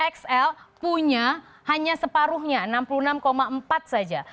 xl punya hanya separuhnya enam puluh enam empat saja